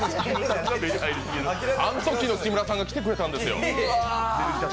あのときの木村さんが来てくれたんですよ。